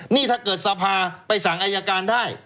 นี่ถ้าเกิดสภาไปสั่งอายการได้